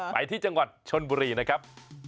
ไปที่จังหวัดชนบุรีนะครับ